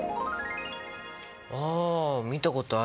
あ見たことある。